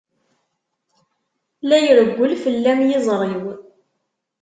La irewwel fell-am yiẓri-w.